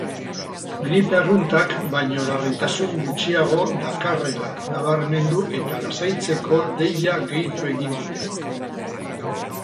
Gripe arruntak baino larritasun gutxiago dakarrela nabarmendu eta lasaitzeko deia gehitu egin dute.